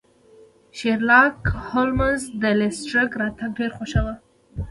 شیرلاک هولمز د لیسټرډ راتګ ډیر خوښاوه.